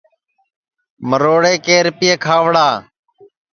مروڑے کے رِپِئے کھاؤڑا